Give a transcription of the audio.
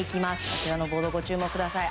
こちらのボードご注目ください。